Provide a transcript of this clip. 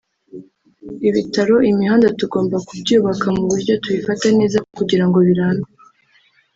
ibitaro imihanda tugomba kubyubaka mu buryo tubifata neza kugira ngo birambe